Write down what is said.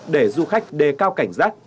để du khách đề cao cảnh giác